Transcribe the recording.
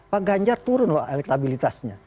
pak ganjar turun pak elektabilitasnya